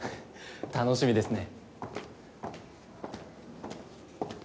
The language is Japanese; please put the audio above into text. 楽しみですね。